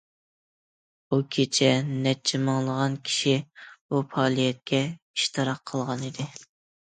بۇ كېچە نەچچە مىڭلىغان كىشى بۇ پائالىيەتكە ئىشتىراك قىلغانىدى.